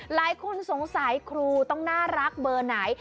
หลายคนสงสัยครูต้องน่ารักเบอร์ไหน